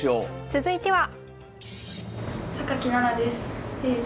続いては。